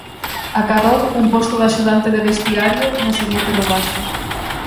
Acadou un posto de axudante de vestiario na seguinte rodaxe.